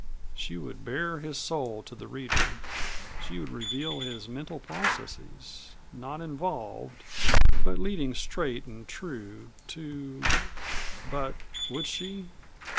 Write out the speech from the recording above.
She would bare his soul to the reader; she would reveal his mental processes not involved, but leading straight and true to But would she?